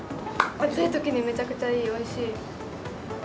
暑いときにめちゃめちゃいい、おいしい。